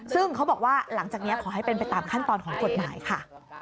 ซึ่งเขาบอกว่าหลังจากนี้ขอให้เป็นไปตามขั้นตอนของกฎหมายค่ะ